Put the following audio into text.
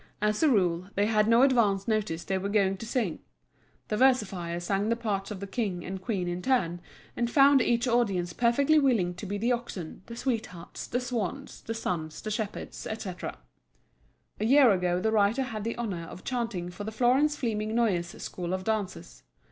As a rule they had no advance notice they were going to sing. The versifier sang the parts of the King and Queen in turn, and found each audience perfectly willing to be the oxen, the sweethearts, the swans, the sons, the shepherds, etc. A year ago the writer had the honor of chanting for the Florence Fleming Noyes school of dancers.